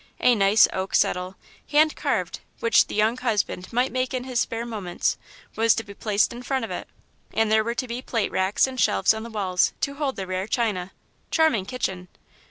A nice oak settle, hand carved, which 'the young husband might make in his spare moments,' was to be placed in front of it, and there were to be plate racks and shelves on the walls, to hold the rare china. Charming kitchen!"